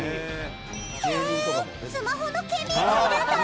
へえ、スマホのケミーもいるんだ！